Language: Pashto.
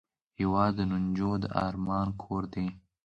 هېواد د نجو د ارمان کور دی.